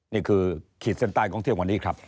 นี่คือคิดสันตาลของเที่ยววันนี้ครับ